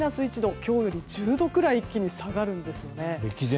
今日より１０度ぐらい一気に下がるんですよね。